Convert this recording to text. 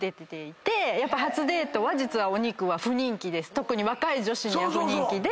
特に若い女子には不人気。